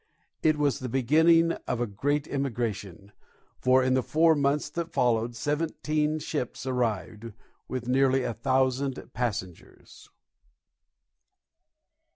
It was the beginning of a great emigration, for, in the four months that followed, seventeen ships arrived, with nearly a thousand passengers.